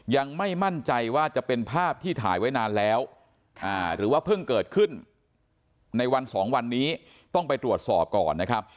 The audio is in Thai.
ยังไม่มั่นใจว่าจะเป็นภาพที่ถ่ายไว้นานแล้วหรือว่าเพิ่งเกิดขึ้นในวันสองวันนี้ต้องไปตรวจสอบก่อนนะครับ